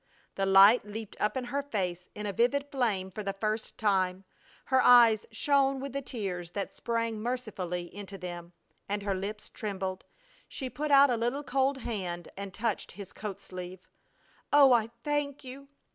The light leaped up in her face in a vivid flame for the first time, her eyes shone with the tears that sprang mercifully into them, and her lips trembled. She put out a little cold hand and touched his coat sleeve: "Oh, I thank you!